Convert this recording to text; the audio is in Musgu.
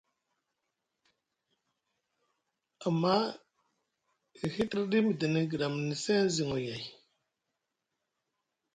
Amma e hitriɗi midini gɗamni seŋ zi noyay.